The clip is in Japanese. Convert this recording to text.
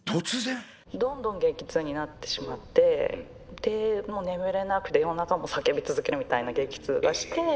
どんどん激痛になってしまってでもう眠れなくて夜中も叫び続けるみたいな激痛がして。